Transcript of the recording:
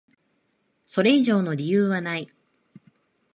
それ以上の理由はない。